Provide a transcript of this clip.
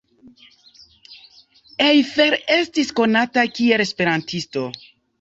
Eiffel estis konata kiel esperantisto.